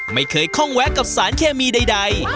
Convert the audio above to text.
ไม่เคยคล่องแวะกับสารเคมีใด